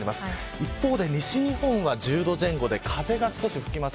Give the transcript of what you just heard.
一方で西日本は１０度前後で風が少し吹きます。